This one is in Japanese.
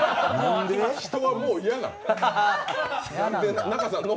人はもう嫌なん？